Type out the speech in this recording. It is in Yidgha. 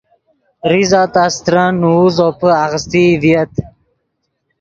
زیزہ تا استرن نوؤ زوپے آغیستئی ڤییت